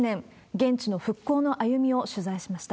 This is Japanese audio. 現地の復興の歩みを取材しました。